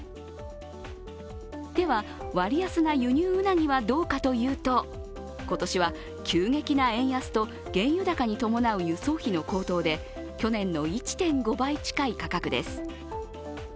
では、割安な輸入うなぎはどうかというと、今年は急激な円安と原油高に伴う輸送費の高騰で去年の１．５倍近い価格です。